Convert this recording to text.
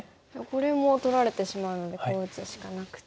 これも取られてしまうのでこう打つしかなくて。